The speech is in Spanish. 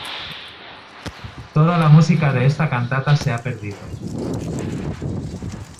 Toda la música de esta cantata se ha perdido.